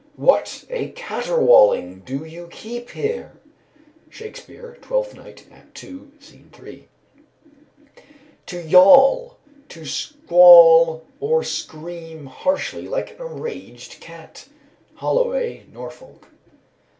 _ "What a caterwawling do you keep here!" SHAKESPEARE, Twelfth Night, Act II., Scene 3. "To yawl. To squall or scream harshly like an enraged cat." HOLLOWAY (Norfolk).